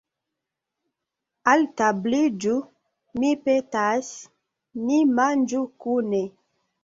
Altabliĝu, mi petas, ni manĝu kune.